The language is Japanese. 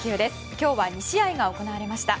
今日は２試合が行われました。